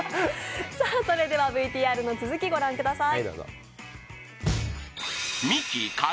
それではＶＴＲの続きを御覧ください。